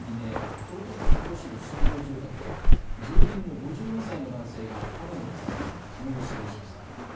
京都府向日市の集合住宅で住人の５２歳の男性が刃物で刺されその後、死亡しました。